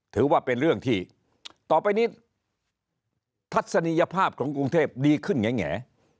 ถือว่าเป็นเรื่องที่ต่อไปนี้ทัศนียภาพของกรุงเทพดีขึ้นแง่